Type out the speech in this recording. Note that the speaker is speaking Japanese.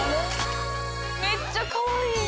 めっちゃかわいい！